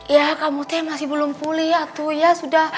ya kamu masih belum pulih ya aduh ya sudah